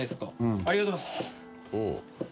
ありがとうございます。